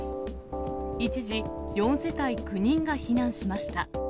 一時、４世帯９人が避難しました。